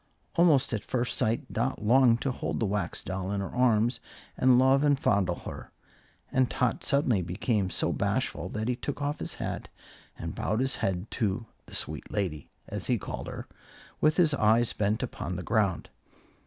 Almost at first sight Dot longed to hold the Wax Doll in her arms and love and fondle her, and Tot suddenly became so bashful that he took off his hat and bowed his head to the "sweet lady" (as he called her), with his eyes bent upon the ground.